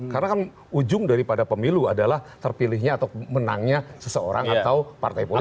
karena kan ujung daripada pemilu adalah terpilihnya atau menangnya seseorang atau partai politik